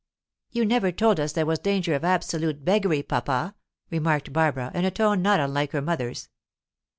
"You never told us there was danger of absolute beggary, papa," remarked Barbara, in a tone not unlike her mother's.